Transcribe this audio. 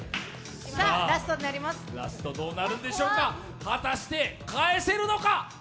ラストどうなるんでしょうか果たして返せるのか？